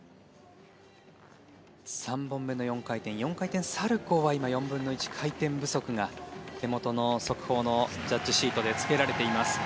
３本目の４回転４回転サルコウは今、４分の１、回転不足が手元の速報のジャッジシートでつけられています。